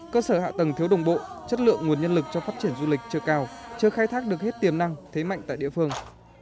cơ sở hạ tầng thiếu đồng bộ chất lượng nguồn nhân lực cho phát triển du lịch chưa cao chưa khai thác được hết tiềm năng thế mạnh tại địa phương